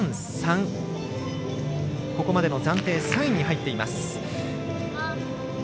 ここまでの暫定３位に入っています。